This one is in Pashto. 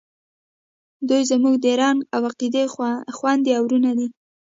دوئ زموږ د رنګ او عقیدې خویندې او ورونه دي.